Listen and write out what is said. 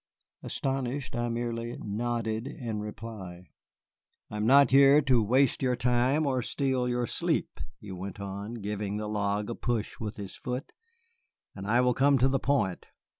Astonished, I merely nodded in reply. "I am not here to waste your time or steal your sleep," he went on, giving the log a push with his foot, "and I will come to the point.